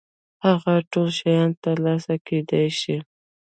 هغه ټول شيان تر لاسه کېدای شي.